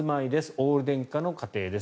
オール電化の家庭です。